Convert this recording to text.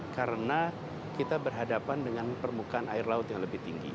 karena kita berhadapan dengan permukaan air laut yang lebih tinggi